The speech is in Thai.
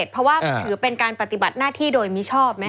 เพราะว่าถือเป็นการปฏิบัติหน้าที่โดยมิชอบไหมค